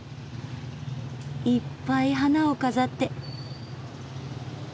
いっぱい花を飾って。